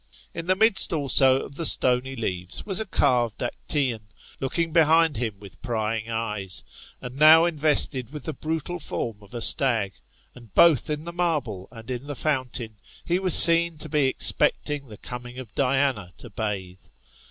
In the midst also of the stony leaves was a carved ActscOQ, looking behind him with prying eyes, and now invested with the brutal form of a stag; and both in the marble and in the fountain' he was seen to be expecting the coming of Diana to bathe.